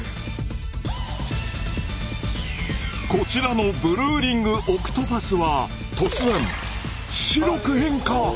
こちらのブルーリングオクトパスは突然白く変化！